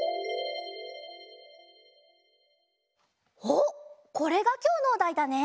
おっこれがきょうのおだいだね？